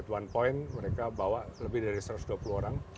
one point mereka bawa lebih dari satu ratus dua puluh orang